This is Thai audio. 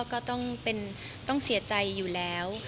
ก็ต้องเสียใจอยู่แล้ว